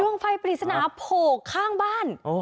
ดวงไฟปริศนาโผกข้างบ้าน